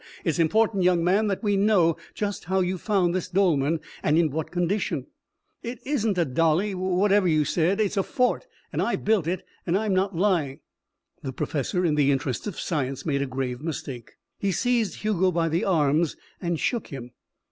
It's important, young man, that we know just how you found this dolmen and in what condition." "It isn't a dolly whatever you said it's a fort and I built it and I'm not lying." The professor, in the interests of science, made a grave mistake. He seized Hugo by the arms and shook him.